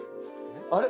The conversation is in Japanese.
あれ？